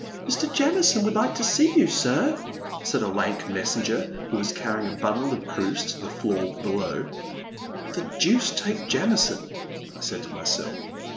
'* Mr. Jamison would like to see you, sir,'* said a lank messenger who was carrying a bundle of proofs to the floor below. The deuce take Jamison," I said to myself.